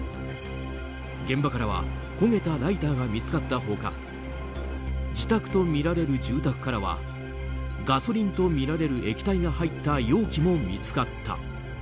現場からは焦げたライターが見つかったほか自宅とみられる住宅からはガソリンとみられる液体が入った容器も見つかった。